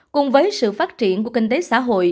cùng với sự phát triển của kinh tế xã hội